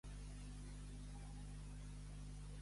Qui mal vol oir, primer l'ha de dir.